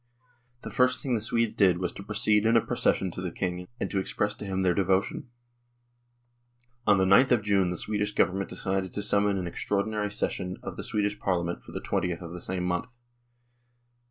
The first thing the Swedes did was to proceed in a procession to the King and to express to him their devotion. On the Qth of June the Swedish Government decided to summon an extraordinary session of the Swedish Parliament for the 2Oth of the same month.